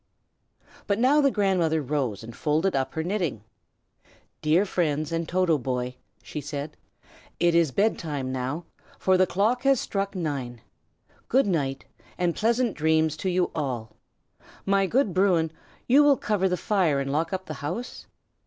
But now the grandmother rose and folded up her knitting. "Dear friends, and Toto, boy," she said, "it is bed time, now, for the clock has struck nine. Good night, and pleasant dreams to you all. My good Bruin, you will cover the fire, and lock up the house?"